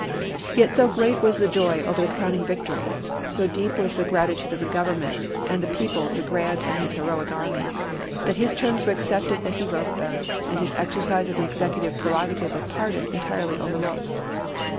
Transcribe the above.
1 Yet so great was the joy over the crowning victory, so deep was the gratitude of the Government and the people to Grant and his heroic army, that his terms were accepted as he wrote them, and his exercise of the Executive pre rogative of pardon entirely overlooked.